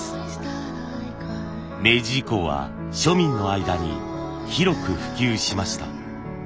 明治以降は庶民の間に広く普及しました。